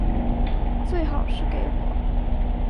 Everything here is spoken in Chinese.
最好是给我